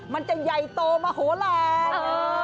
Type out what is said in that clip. มันจะใหญ่โตมโหลาน